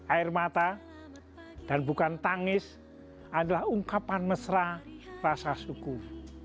air mata dan bukan tangis adalah ungkapan mesra rasa syukur